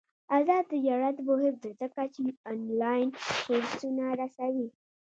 آزاد تجارت مهم دی ځکه چې آنلاین کورسونه رسوي.